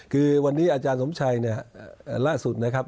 คือวันนี้อาจารย์สมชัยเนี่ยล่าสุดนะครับ